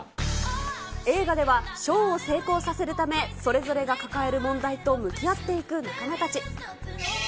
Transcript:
映画では、ショーを成功させるため、それぞれが抱える問題と向き合っていく仲間たち。